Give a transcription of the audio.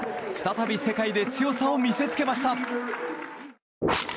再び世界で強さを見せつけました。